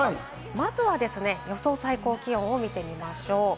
まずは予想最高気温を見てみましょう。